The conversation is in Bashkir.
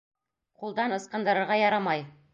Ҡулдан ыскындырырға ярамай.